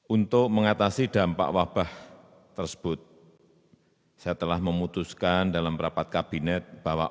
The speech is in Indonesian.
untuk mengatasi dampak wabah tersebut saya telah memutuskan dalam rapat kabinet bahwa